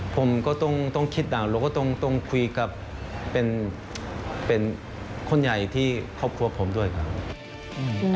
ผมก็ต้องคิดดาวแล้วก็ต้องคุยกับเป็นคนใหญ่ที่ครอบครัวผมด้วยครับ